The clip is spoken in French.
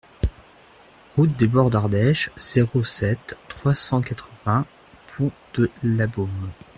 Route des Bords d'Ardèche, zéro sept, trois cent quatre-vingts Pont-de-Labeaume